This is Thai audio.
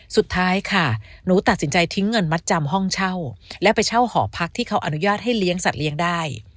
สุดท้ายค่ะหนูตัดสินใจทิ้งเงินมัดจำห้องเช่าและไปเช่าหอพักที่เขาอนุญาตให้เลี้ยงสัตว์เลี้ยงได้